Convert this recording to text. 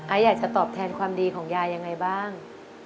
อยากจะตอบแทนความดีของยายยังไงบ้าง